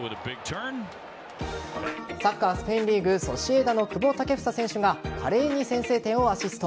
サッカー・スペインリーグソシエダの久保建英選手が華麗に先制点をアシスト。